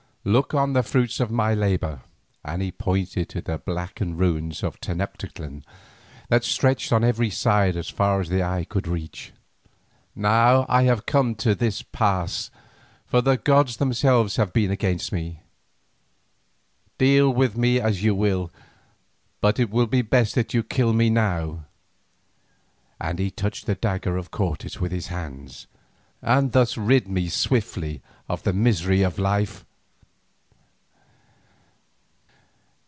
Look on the fruits of my labour," and he pointed to the blackened ruins of Tenoctitlan that stretched on every side far as the eye could reach. "Now I have come to this pass, for the gods themselves have been against me. Deal with me as you will, but it will be best that you kill me now," and he touched the dagger of Cortes with his hand, "and thus rid me swiftly of the misery of life."